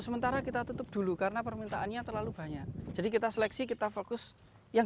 sementara kita tutup dulu karena permintaannya terlalu banyak jadi kita seleksi kita fokus yang